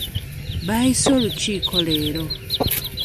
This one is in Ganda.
Baayise olukiiko leero.